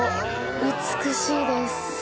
美しいです。